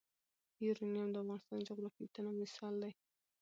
یورانیم د افغانستان د جغرافیوي تنوع مثال دی.